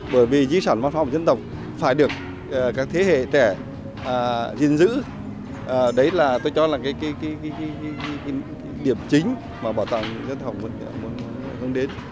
bởi vì di sản văn hóa của dân tộc phải được các thế hệ trẻ gìn giữ đấy là tôi cho là điểm chính mà bảo tàng dân phòng hướng đến